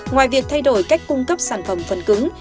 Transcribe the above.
ngoài việc thay đổi cách cung cấp sản phẩm phần cứng